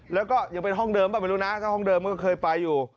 แล้วก็ยังเป็นห้องเดิมเปล่าไม่รู้นะถ้าห้องเดิมก็เคยไปอยู่